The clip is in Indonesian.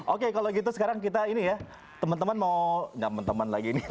oke kalau gitu sekarang kita ini ya teman teman mau nyaman teman lagi ini